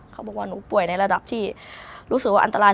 เขาบอกว่าหนูป่วยในระดับที่รู้สึกว่าอันตราย